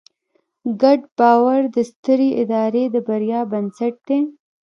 ګډ باور د سترې ادارې د بریا بنسټ دی.